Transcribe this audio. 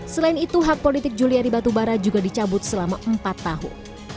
selain itu hak politik juliari batubara juga dicabut selama empat tahun